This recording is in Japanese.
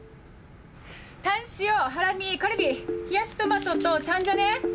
タンシオハラミカルビ冷やしトマトとチャンジャね。